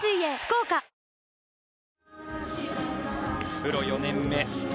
プロ４年目。